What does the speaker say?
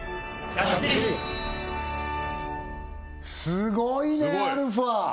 すごいねアルファ！